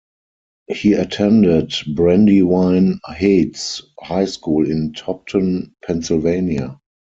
He attended Brandywine Heights High School in Topton, Pennsylvania.